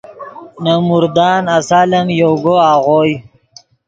نے مردان آسال ام یوگو آغوئے